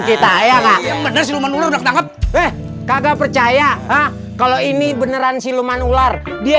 percaya kakilnya siluman ular banget kagak percaya kalau ini beneran siluman ular dia